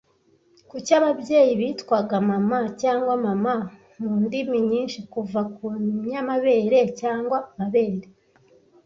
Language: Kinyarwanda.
Kuki Ababyeyi bitwaga mama cyangwa mama mu ndimi nyinshi Kuva ku nyamabere cyangwa amabere